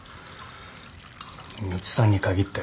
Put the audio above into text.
みちさんに限って。